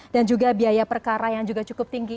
dan juga biaya perkara yang juga cukup tinggi